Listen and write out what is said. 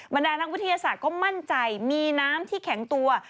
ดานักวิทยาศาสตร์ก็มั่นใจมีน้ำที่แข็งตัว